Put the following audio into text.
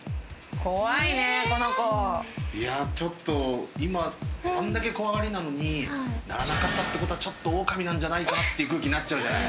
いやちょっと今あんだけ怖がりなのに鳴らなかったって事はちょっとオオカミなんじゃないかなっていう空気になっちゃうじゃない。